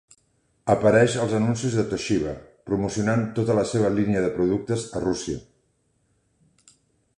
Apareix als anuncis de Toshiba promocionant tota la seva línia de productes a Rússia.